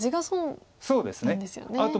そうですね。